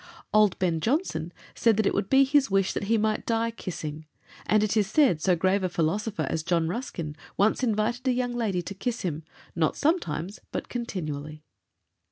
Old Ben Jonson said that it would be his wish that he might die kissing, and it is said so grave a philosopher as John Ruskin once invited a young lady to kiss him—"not sometimes, but continually."